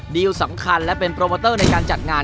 ดีลสำคัญและเป็นโปรโมเตอร์ในการจัดงาน